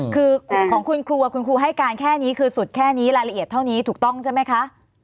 คือของคุณครูคุณครูให้การแค่นี้คือสุดแค่นี้รายละเอียดเท่านี้ถูกต้องใช่ไหมคะ